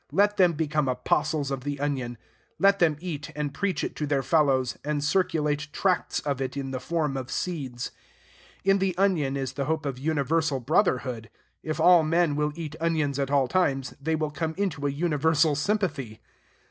Let them become apostles of the onion; let them eat, and preach it to their fellows, and circulate tracts of it in the form of seeds. In the onion is the hope of universal brotherhood. If all men will eat onions at all times, they will come into a universal sympathy.